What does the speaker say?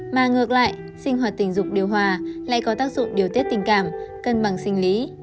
mà ngược lại sinh hoạt tình dục điều hòa lại có tác dụng điều tiết tình cảm cân bằng sinh lý